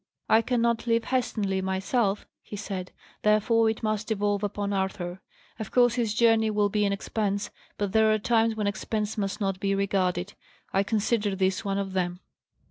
"I cannot leave Helstonleigh myself," he said; "therefore it must devolve upon Arthur. Of course his journey will be an expense; but there are times when expense must not be regarded. I consider this one of them."